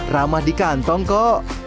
ramah di kantong kok